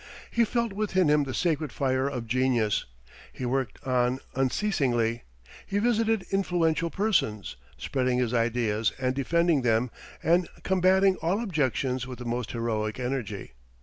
He felt within him the sacred fire of genius, he worked on unceasingly, he visited influential persons, spreading his ideas and defending them, and combating all objections with the most heroic energy.